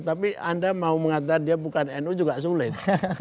tapi anda mau mengatakan dia bukan nu juga sulit